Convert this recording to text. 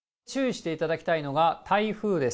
注意していただきたいのが、台風です。